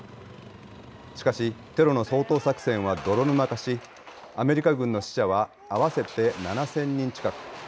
しかしテロの掃討作戦は泥沼化しアメリカ軍の死者は合わせて７０００人近く。